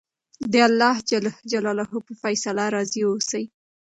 د اللهﷻ په فیصله راضي اوسئ.